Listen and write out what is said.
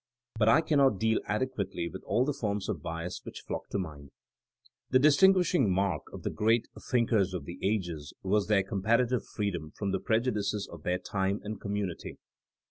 But I cannot deal ade quately with all the forms of bias which flock to mind. The distinguishing mark of the great, think ers of the ages was their comparative freedom from the prejudices of their time and commu nity.